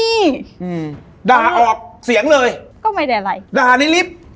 อืมด่าออกเสียงเลยด่าในลิฟท์